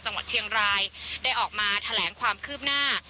จังหวัดเชียงรายได้ออกมาแถลงความคืบหน้า